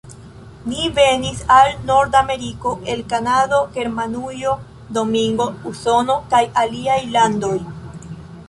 Ni venis al Nord-Ameriko el Kanado, Germanujo, Domingo, Usono, kaj aliaj landoj.